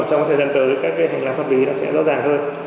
trong thời gian tới các hành lãm pháp lý sẽ rõ ràng hơn